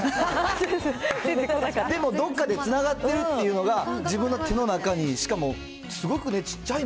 でもどっかでつながってるっていうのが、自分の手の中に、しかも、そうよ。